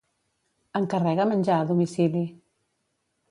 Encarrega menjar a domicili.